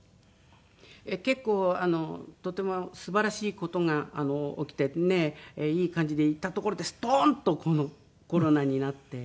結構とても素晴らしい事が起きてねいい感じでいったところでストンとコロナになって。